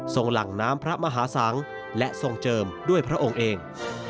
หลังน้ำพระมหาสังและทรงเจิมด้วยพระองค์เอง